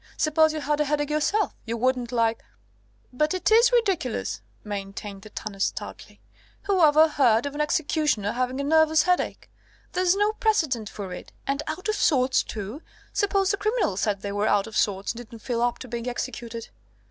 Suppose you had a headache yourself! You wouldn't like " "But it is ridiculous," maintained the tanner stoutly. "Who ever heard of an executioner having a nervous headache? There's no precedent for it. And 'out of sorts,' too! Suppose the criminals said they were out of sorts, and didn't feel up to being executed?"